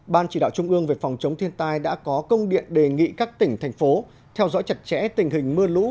ban chỉ đạo trung ương về phòng chống thiên tai đã có công điện đề nghị các tỉnh thành phố theo dõi chặt chẽ tình hình mưa lũ